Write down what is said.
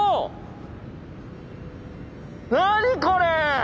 何これ！